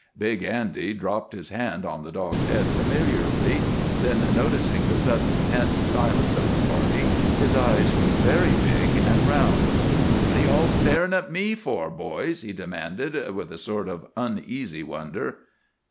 Big Andy dropped his hand on the dog's head familiarly; then noticing the sudden tense silence of the party, his eyes grew very big and round. "What're you all starin' at me fer, boys?" he demanded, with a sort of uneasy wonder.